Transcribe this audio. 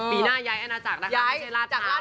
ปีหน้าย้ายอาณาจักรนะครับไม่ใช่ราตรานะครับ